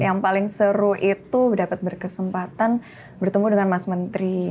yang paling seru itu dapat berkesempatan bertemu dengan mas menteri